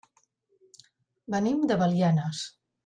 Venim de Belianes.